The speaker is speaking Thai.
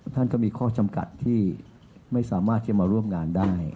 ท่านก็มีข้อจำกัดที่ไม่สามารถที่จะมาร่วมงานได้